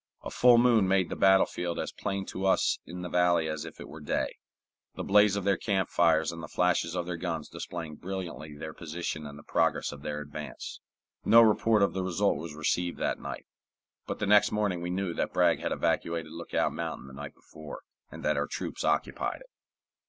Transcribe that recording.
A full moon made the battlefield as plain to us in the valley as if it were day, the blaze of their camp fires and the flashes of their guns displaying brilliantly their position and the progress of their advance. No report of the result was received that night, but the next morning we knew that Bragg had evacuated Lookout Mountain the night before, and that our troops occupied it.